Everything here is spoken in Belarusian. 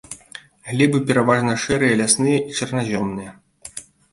Глебы пераважна шэрыя лясныя і чарназёмныя.